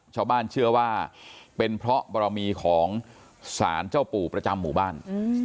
ชาวบ้านเชื่อว่าเป็นเพราะบรมีของสารเจ้าปู่ประจำหมู่บ้าน